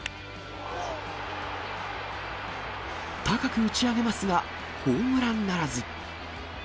高く打ち上げますが、ホームランならず。